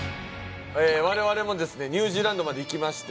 われわれもニュージーランドまで行きまして。